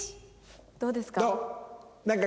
どうですか？